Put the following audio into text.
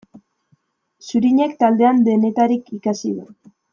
Zurinek taldean denetarik ikasi du.